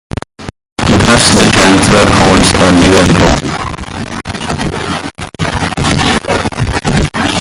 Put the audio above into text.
Thus, the chancellor holds a dual role.